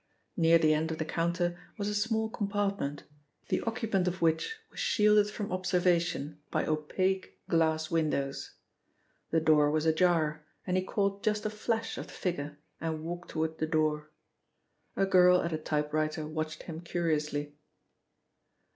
Near the end of the counter was a small compartment, the occupant of which was shielded from observation by opaque glass windows. The door was ajar, and he caught just a flash of the figure and walked toward the door. A girl at a typewriter watched him curiously.